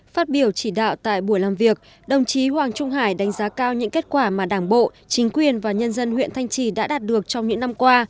phát biểu chỉ đạo tại buổi làm việc đồng chí hoàng trung hải đánh giá cao những kết quả mà đảng bộ chính quyền và nhân dân huyện thanh trì đã đạt được trong những năm qua